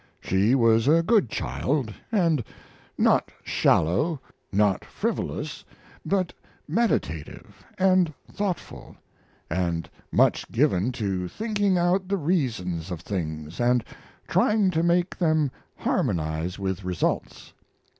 She was a good child, and not shallow, not frivolous, but meditative and thoughtful, and much given to thinking out the reasons of things and trying to make them harmonize with results.